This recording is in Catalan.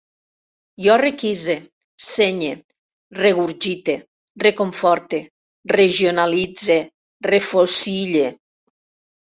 Jo requise, senye, regurgite, reconforte, regionalitze, refocil·le